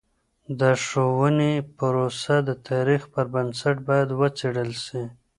د ښوونې پروسه د تاریخ پر بنسټ باید وڅېړل سي.